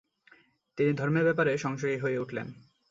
তিনি ধর্মের ব্যাপারে সংশয়ী হয়ে উঠলেন।